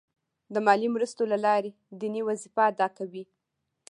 د مالي مرستې له لارې دیني وظیفه ادا کوي.